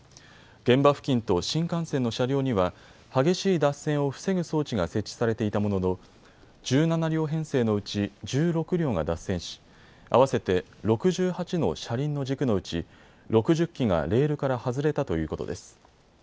現場付近と新幹線の車両には激しい脱線を防ぐ装置が設置されていたものの１７両編成のうち１６両が脱線し合わせて６８の車輪の軸のうち６０基がレールから外れたということです。